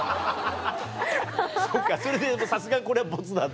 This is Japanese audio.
そっかそれでさすがにこれはボツだって？